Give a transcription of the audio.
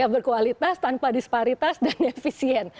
berkualitas tanpa disparitas dan efisien